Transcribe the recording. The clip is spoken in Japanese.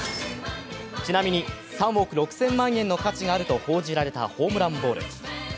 ちなみに３億６０００万円の価値があると報じられたホームランボール。